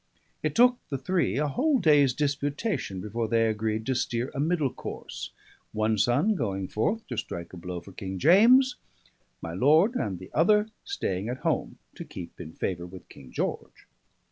It took the three a whole day's disputation before they agreed to steer a middle course, one son going forth to strike a blow for King James, my lord and the other staying at home to keep in favour with King George.